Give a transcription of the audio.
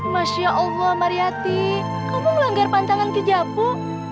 masya allah mariati kamu melanggar pantangan kijapu